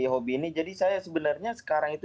hobi ini jadi saya sebenarnya sekarang itu